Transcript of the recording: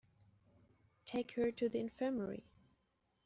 Take her to the infirmary.